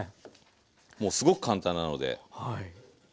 もうすごく簡単なので。